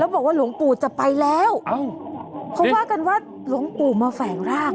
บอกว่าหลวงปู่จะไปแล้วเขาว่ากันว่าหลวงปู่มาแฝงร่าง